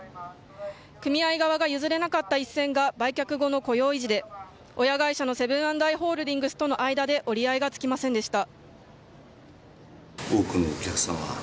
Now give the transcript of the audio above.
組合側が譲れなかった一線が売却後の雇用維持で親会社のセブン＆アイ・ホールディングスの間で折り合いがつきませんでした。